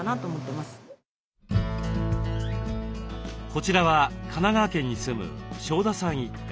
こちらは神奈川県に住む庄田さん一家。